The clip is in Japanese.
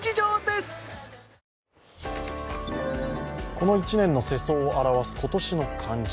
この１年の世相を表す今年の漢字。